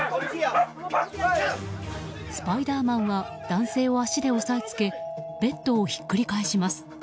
スパイダーマンは男性を足で押さえつけベッドをひっくり返します。